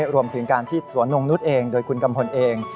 รวมถึงการที่สวนนงนุษย์เองโดยคุณกัมพลเอง